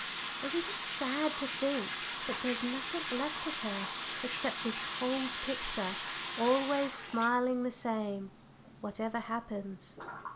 Isn't it sad to think that there's nothing left of her except this cold picture, always smiling the same, whatever happens?"